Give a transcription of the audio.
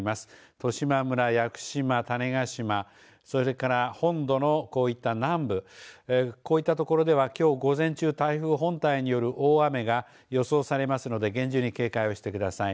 十島村、屋久島、種子島それから本土のこういった南部、こういったところではきょう午前中、台風本体による大雨が予想されますので厳重に警戒をしてください。